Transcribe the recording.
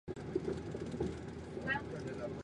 时光流逝